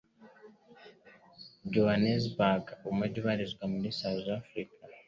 Johannesburg umujyi ubarizwa muri South Africa